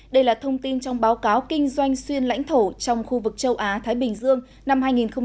đây là thông tin trong báo cáo kinh doanh xuyên lãnh thổ trong khu vực châu á thái bình dương năm hai nghìn một mươi chín hai nghìn hai mươi